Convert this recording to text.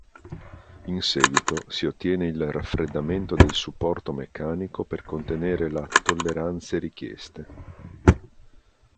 In seguito si ottiene il raffreddamento del supporto meccanico per contenere la tolleranze richieste.